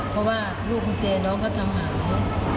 เพราะว่าลูกกุญแจน้องก็ทำหาย